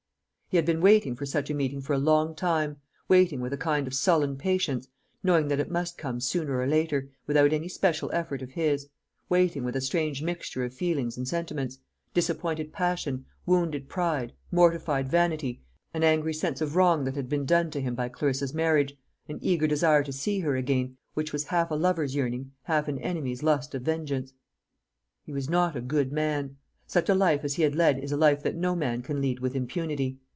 He had been waiting for such a meeting for a long time; waiting with a kind of sullen patience, knowing that it must come sooner or later, without any special effort of his; waiting with a strange mixture of feelings and sentiments disappointed passion, wounded pride, mortified vanity, an angry sense of wrong that had been done to him by Clarissa's marriage, an eager desire to see her again, which was half a lover's yearning, half an enemy's lust of vengeance. He was not a good man. Such a life as he had led is a life that no man can lead with impunity.